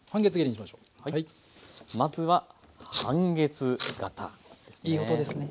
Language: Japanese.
まずは半月形ですね。